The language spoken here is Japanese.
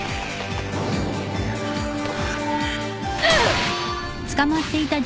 うっ！